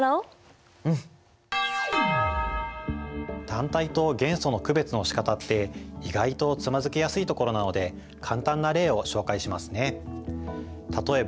単体と元素の区別のしかたって意外とつまずきやすいところなので簡単な例を紹介しますね。